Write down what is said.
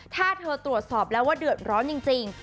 ถ้าเธอตรวจสอบแล้วว่าเดือดร้อนจริง